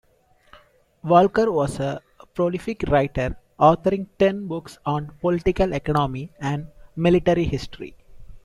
Walker was a prolific writer, authoring ten books on political economy and military history.